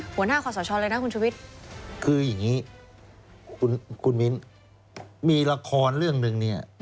หัวหน้าขวัดสะช้อนเลยนะคุณชูวิทธ์คืออย่างงี้คุณคุณมิ้นมีละครเรื่องหนึ่งเนี้ย